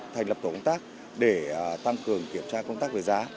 thành lập tổ công tác để tăng cường kiểm tra công tác về giá